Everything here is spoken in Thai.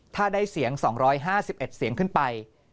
ถ้าได้เสียง๒๕๑เสียงขึ้นไป